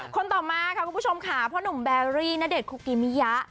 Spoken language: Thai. ต่อมาค่ะคุณผู้ชมค่ะพ่อหนุ่มแบรี่ณเดชนคุกิมิยะ